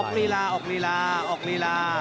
ออกรีลาออกรีลาออกรีลา